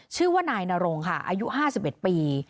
ชื่อว่านายนรงค่ะอายุ๕๑ปี